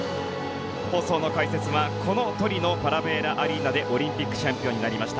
放送の解説は、このトリノパラヴェーラアリーナでオリンピックチャンピオンになりました